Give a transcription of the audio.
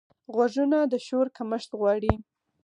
غوږونه د شور کمښت غواړي